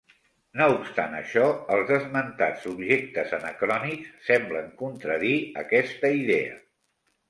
No obstant això els esmentats objectes anacrònics semblen contradir aquesta idea.